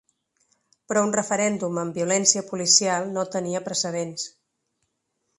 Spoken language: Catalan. Però un referèndum amb violència policial no tenia precedents.